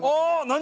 何？